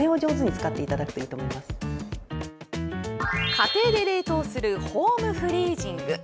家庭で冷凍するホームフリージング。